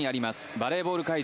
バレーボール会場